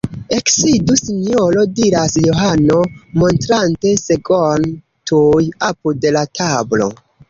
Eksidu sinjoro, diras Johano, montrante segon tuj apud la tablo.